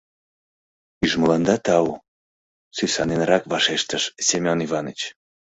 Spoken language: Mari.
— Ӱжмыланда тау, — сӱсаненрак вашештыш Семён Иваныч.